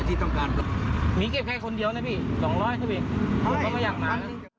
ที่ต้องการขนเดียวเลยพี่สองร้อยใช่ไหมเราไม่อยากมา